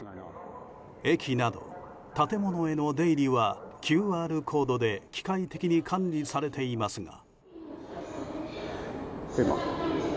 駅など建物への出入りはＱＲコードで機械的に管理されていますが。